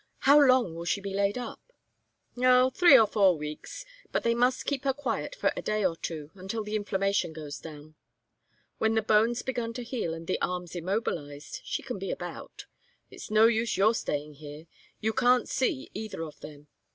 "How long will she be laid up?" "Oh three or four weeks. But they must keep her quiet for a day or two, until the inflammation goes down. When the bone's begun to heal and the arm's immobilized, she can be about. It's no use your staying here. You can't see either of them.